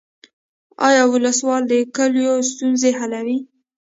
آیا ولسوال د کلیو ستونزې حلوي؟